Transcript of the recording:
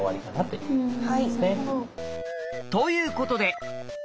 ということで。